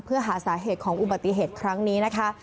เพื่อหาสาเหตุของอุบัติเหตุครั้งนี้นะคะ